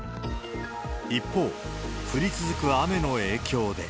一方、降り続く雨の影響で。